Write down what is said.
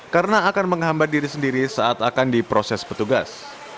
karena akan menghambat diri sendiri saat akan diproses petugas